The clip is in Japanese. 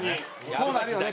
こうなるよね。